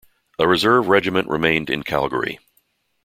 A reserve regiment remained in Calgary.